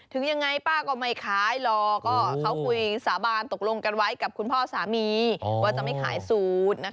ถึงยังไงป้าก็ไม่ขายหรอก็เขาคุยสาบานตกลงกันไว้กับคุณพ่อสามีว่าจะไม่ขายสูตรนะคะ